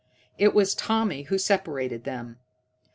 It was Tommy who separated them.